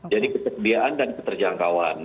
jadi ketersediaan dan keterjangkauan